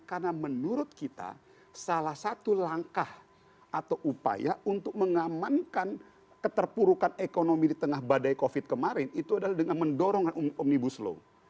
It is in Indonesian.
karena menurut kita salah satu langkah atau upaya untuk mengamankan keterpurukan ekonomi di tengah badai covid kemarin itu adalah dengan mendorong omnibus law